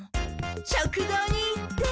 食堂に行って。